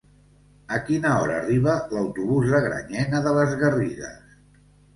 A quina hora arriba l'autobús de Granyena de les Garrigues?